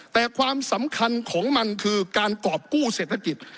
แต่ความสำคัญของมันคือการกรอบกู้เศรษฐกิจ